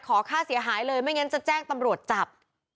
ค่าเสียหายเลยไม่งั้นจะแจ้งตำรวจจับ